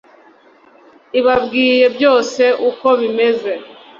ibabwiye byose uko bimeze.